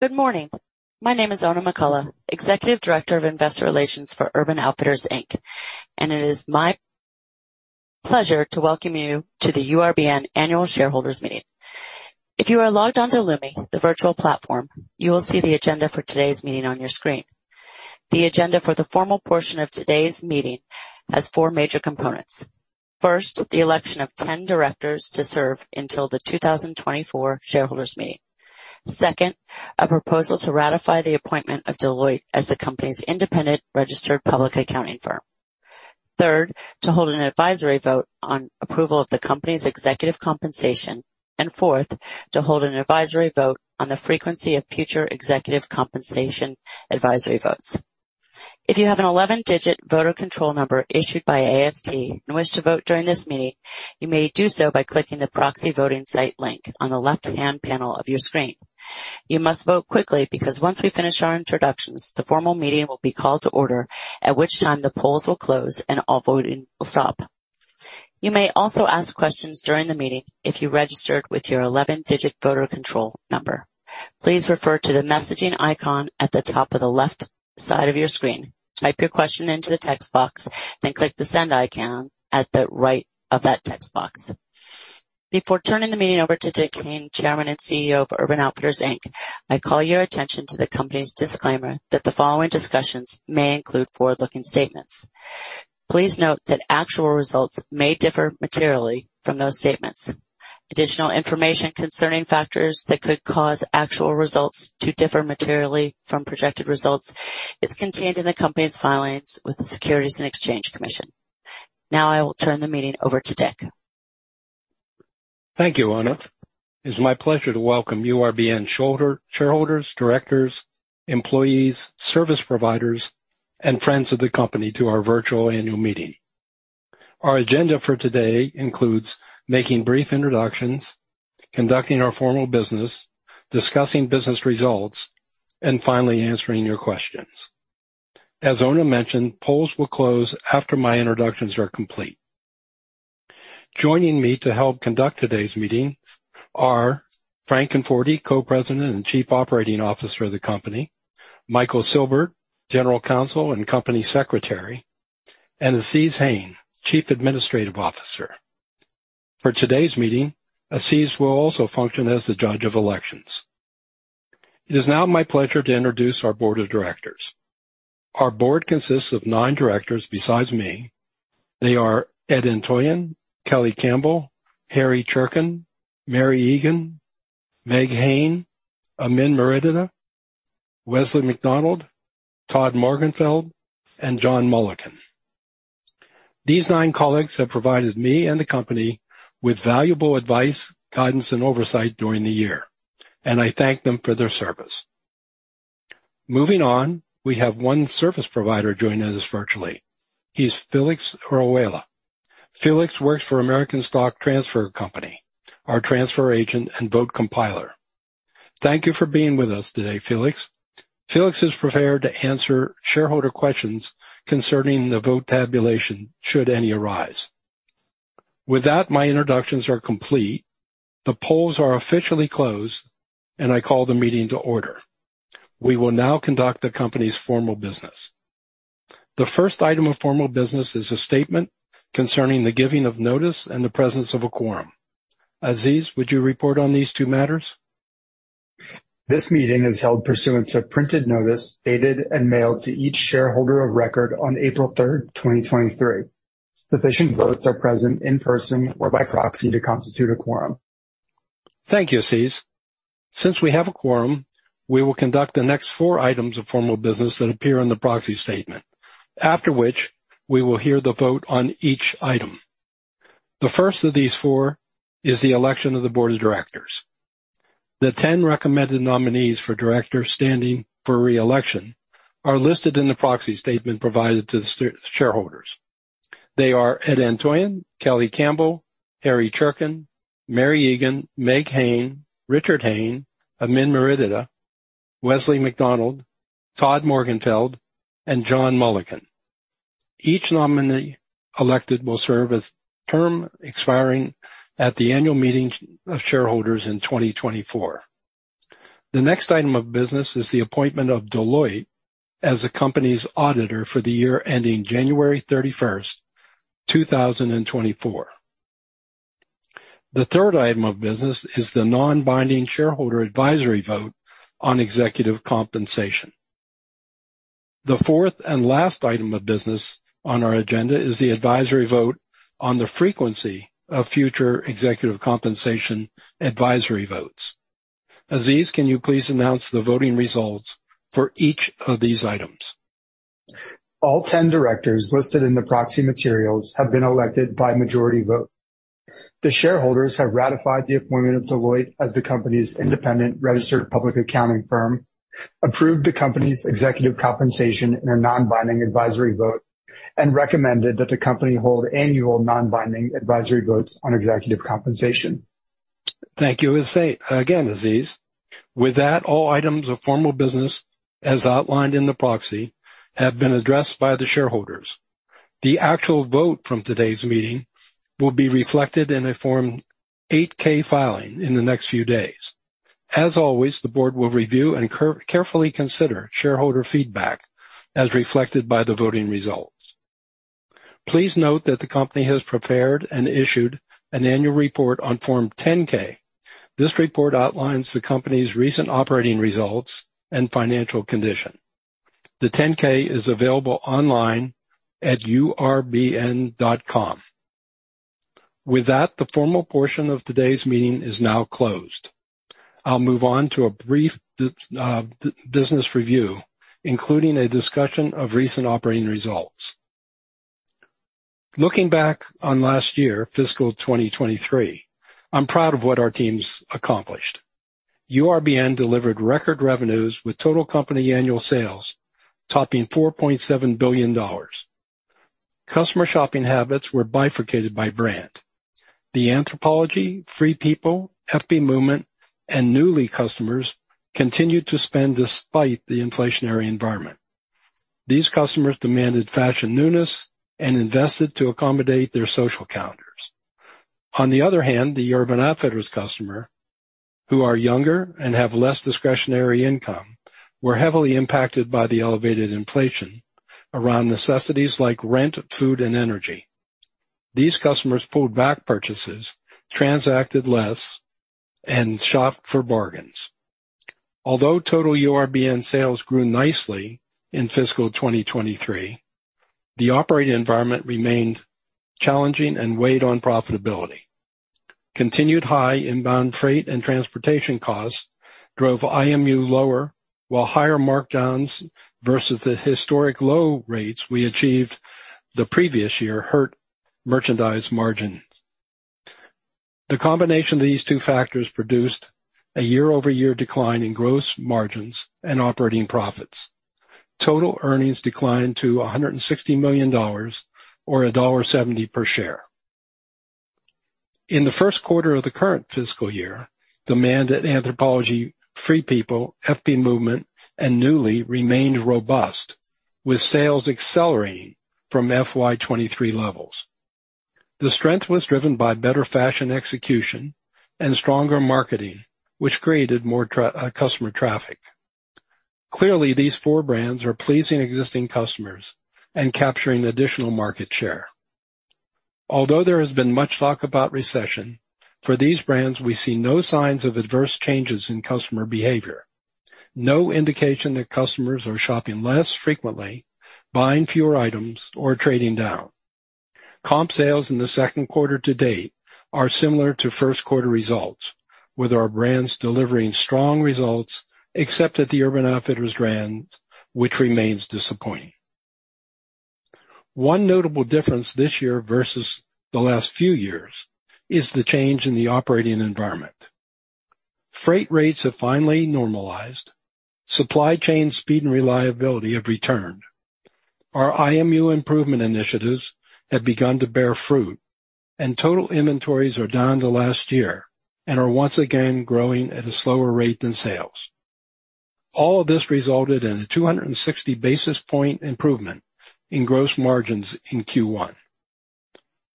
Good morning. My name is Oona McCullough, Executive Director of Investor Relations for Urban Outfitters, Inc. It is my pleasure to welcome you to the URBN Annual Shareholders Meeting. If you are logged on to Lumi, the virtual platform, you will see the agenda for today's meeting on your screen. The agenda for the formal portion of today's meeting has four major components. First, the election of 10 directors to serve until the 2024 shareholders meeting. Second, a proposal to ratify the appointment of Deloitte as the company's independent registered public accounting firm. Third, to hold an advisory vote on approval of the company's executive compensation. Fourth, to hold an advisory vote on the frequency of future executive compensation advisory votes. If you have an 11-digit voter control number issued by AST and wish to vote during this meeting, you may do so by clicking the proxy voting site link on the left-hand panel of your screen. You must vote quickly because once we finish our introductions, the formal meeting will be called to order, at which time the polls will close and all voting will stop. You may also ask questions during the meeting if you registered with your 11-digit voter control number. Please refer to the messaging icon at the top of the left side of your screen. Type your question into the text box, then click the send icon at the right of that text box. Before turning the meeting over to Dick Hayne, Chairman and CEO of Urban Outfitters, Inc., I call your attention to the company's disclaimer that the following discussions may include forward-looking statements. Please note that actual results may differ materially from those statements. Additional information concerning factors that could cause actual results to differ materially from projected results is contained in the company's filings with the Securities and Exchange Commission. Now I will turn the meeting over to Dick. Thank you, Oona. It's my pleasure to welcome URBN shareholders, directors, employees, service providers, and friends of the company to our virtual annual meeting. Our agenda for today includes making brief introductions, conducting our formal business, discussing business results, and finally answering your questions. As Oona mentioned, polls will close after my introductions are complete. Joining me to help conduct today's meetings are Frank Conforti, Co-President and Chief Operating Officer of the company, Michael Sibert, General Counsel and Company Secretary, and Azeez Hayne, Chief Administrative Officer. For today's meeting, Azeez will also function as the Judge of Elections. It is now my pleasure to introduce our board of directors. Our board consists of 9 directors besides me. They are Ed Antoian, Kelly Campbell, Harry Cherken, Mary Egan, Meg Hayne, Amin Maredia, Wesley McDonald, Todd Morgenfeld, and John Mulliken. These nine colleagues have provided me and the company with valuable advice, guidance, and oversight during the year, and I thank them for their service. Moving on, we have one service provider joining us virtually. He's Felix Orihuela. Felix works for American Stock Transfer Company, our transfer agent and vote compiler. Thank you for being with us today, Felix. Felix is prepared to answer shareholder questions concerning the vote tabulation, should any arise. With that, my introductions are complete. The polls are officially closed, and I call the meeting to order. We will now conduct the company's formal business. The first item of formal business is a statement concerning the giving of notice and the presence of a quorum. Azeez, would you report on these two matters? This meeting is held pursuant to printed notice, dated and mailed to each shareholder of record on April third, 2023. Sufficient votes are present in person or by proxy to constitute a quorum. Thank you, Azeez. Since we have a quorum, we will conduct the next four items of formal business that appear in the proxy statement, after which we will hear the vote on each item. The first of these four is the election of the board of directors. The 10 recommended nominees for director standing for re-election are listed in the proxy statement provided to the shareholders. They are Ed Antoian, Kelly Campbell, Harry Cherken, Mary Egan, Meg Hayne, Richard Hayne, Amin Maredia, Wesley McDonald, Todd Morgenfeld, and John Mulliken. Each nominee elected will serve as term expiring at the annual meeting of shareholders in 2024. The next item of business is the appointment of Deloitte as the company's auditor for the year ending January 31, 2024. The third item of business is the non-binding shareholder advisory vote on executive compensation. The fourth and last item of business on our agenda is the advisory vote on the frequency of future executive compensation advisory votes. Azeez, can you please announce the voting results for each of these items? All ten directors listed in the proxy materials have been elected by majority vote. The shareholders have ratified the appointment of Deloitte as the company's independent registered public accounting firm, approved the company's executive compensation in a non-binding advisory vote, and recommended that the company hold annual non-binding advisory votes on executive compensation. Thank you, Azeez. With that, all items of formal business, as outlined in the proxy, have been addressed by the shareholders. The actual vote from today's meeting will be reflected in a Form 8-K filing in the next few days. As always, the board will review and carefully consider shareholder feedback as reflected by the voting results. Please note that the company has prepared and issued an annual report on Form 10-K. This report outlines the company's recent operating results and financial condition. The 10-K is available online at urbn.com. With that, the formal portion of today's meeting is now closed. I'll move on to a brief business review, including a discussion of recent operating results. Looking back on last year, fiscal 2023, I'm proud of what our teams accomplished. URBN delivered record revenues with total company annual sales topping $4.7 billion. Customer shopping habits were bifurcated by brand. The Anthropologie, Free People, FP Movement, and Nuuly customers continued to spend despite the inflationary environment. These customers demanded fashion newness and invested to accommodate their social calendars. On the other hand, the Urban Outfitters customer, who are younger and have less discretionary income, were heavily impacted by the elevated inflation around necessities like rent, food, and energy. These customers pulled back purchases, transacted less, and shopped for bargains. Although total URBN sales grew nicely in fiscal 2023, the operating environment remained challenging and weighed on profitability. Continued high inbound freight and transportation costs drove IMU lower, while higher markdowns versus the historic low rates we achieved the previous year hurt merchandise margins. The combination of these two factors produced a year-over-year decline in gross margins and operating profits. Total earnings declined to $160 million or $1.70 per share. In the Q1 of the current fiscal year, demand at Anthropologie, Free People, FP Movement, and Nuuly remained robust, with sales accelerating from FY23 levels. The strength was driven by better fashion execution and stronger marketing, which created more customer traffic. Clearly, these four brands are pleasing existing customers and capturing additional market share. There has been much talk about recession, for these brands, we see no signs of adverse changes in customer behavior. No indication that customers are shopping less frequently, buying fewer items, or trading down. Comp sales in the Q2 to date are similar to Q1 results, with our brands delivering strong results, except at the Urban Outfitters brands, which remains disappointing. One notable difference this year versus the last few years is the change in the operating environment. Freight rates have finally normalized. Supply chain speed and reliability have returned. Our IMU improvement initiatives have begun to bear fruit, and total inventories are down to last year and are once again growing at a slower rate than sales. All of this resulted in a 260 basis point improvement in gross margins in Q1.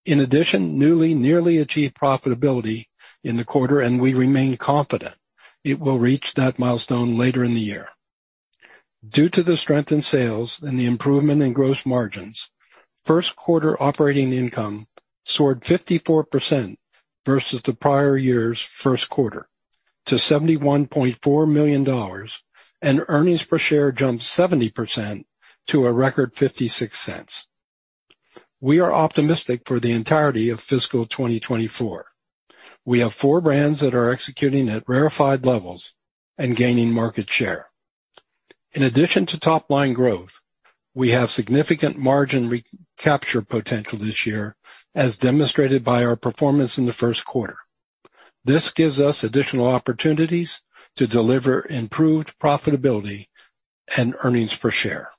In addition, Nuuly nearly achieved profitability in the quarter, and we remain confident it will reach that milestone later in the year. Due to the strength in sales and the improvement in gross margins, Q1 operating income soared 54% versus the prior year's Q1 to $71.4 million, and earnings per share jumped 70% to a record $0.56. We are optimistic for the entirety of fiscal 2024. We have four brands that are executing at rarefied levels and gaining market share. In addition to top-line growth, we have significant margin recapture potential this year, as demonstrated by our performance in the Q1. This gives us additional opportunities to deliver improved profitability and earnings per share.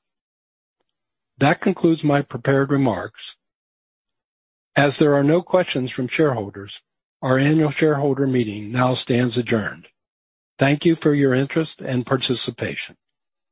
That concludes my prepared remarks. As there are no questions from shareholders, our annual shareholder meeting now stands adjourned. Thank you for your interest and participation.